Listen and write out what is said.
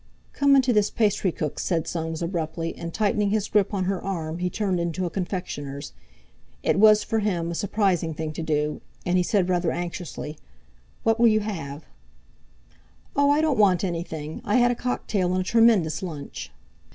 "Come into this pastry cook's," said Soames abruptly, and tightening his grip on her arm he turned into a confectioner's. It was—for him—a surprising thing to do, and he said rather anxiously: "What will you have?" "Oh! I don't want anything. I had a cocktail and a tremendous lunch."